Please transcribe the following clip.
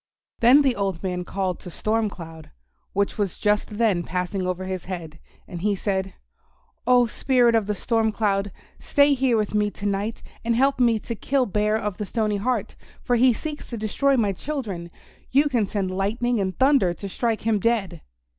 Then the old man called to Storm Cloud, which was just then passing over his head, and he said, "Oh, Spirit of the Storm Cloud, stay here with me to night and help me to kill Bear of the Stony Heart, for he seeks to destroy my children. You can send lightning and thunder to strike him dead."